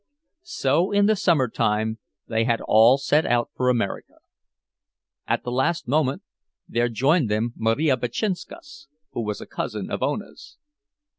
So in the summer time they had all set out for America. At the last moment there joined them Marija Berczynskas, who was a cousin of Ona's.